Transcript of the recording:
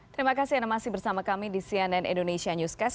terima kasih anda masih bersama kami di cnn indonesia newscast